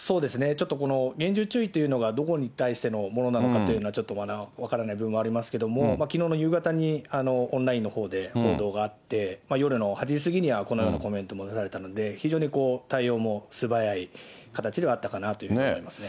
ちょっとこの厳重注意っていうのが、どこに対してのものなのかというのは、ちょっと分からない部分もありますけれども、きのうの夕方にオンラインのほうで報道があって、夜の８時過ぎにはこのようなコメントを出されたので、非常に対応も素早い形ではあったかなと思いますね。